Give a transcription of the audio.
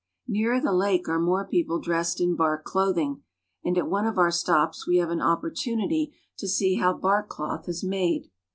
Nearer the lake are more people dressed in bark clothing, and at one of our stops we have an opportunity to see how bark cloth is made.